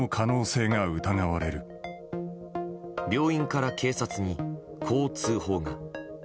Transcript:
病院から警察に、こう通報が。